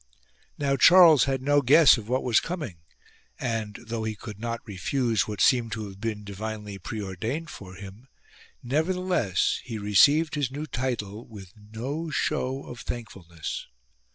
Now Charles had no guess of what was coming ; and, though he could not refuse what seemed to have been divinely preordained for him, nevertheless he received his new title with no show of thankfulness.